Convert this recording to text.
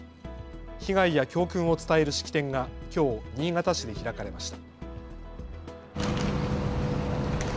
被害や教訓を伝える式典がきょう新潟市で開かれました。